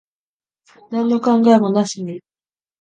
なんの考えもなしに。